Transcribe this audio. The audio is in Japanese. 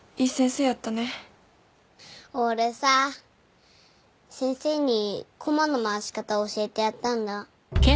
俺さ先生にコマの回し方教えてやったんだ。